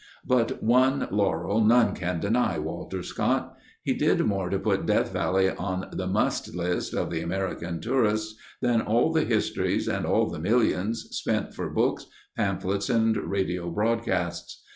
But one laurel none can deny Walter Scott. He did more to put Death Valley on the must list of the American tourists than all the histories and all the millions spent for books, pamphlets, and radio broadcasts.